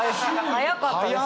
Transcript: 速かったですね！